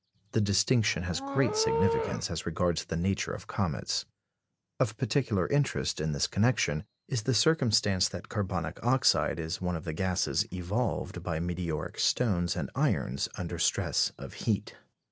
The distinction has great significance as regards the nature of comets. Of particular interest in this connection is the circumstance that carbonic oxide is one of the gases evolved by meteoric stones and irons under stress of heat.